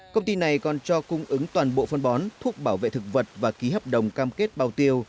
công ty này còn cho cung ứng toàn bộ phân bón thuốc bảo vệ thực vật và ký hợp đồng cam kết bao tiêu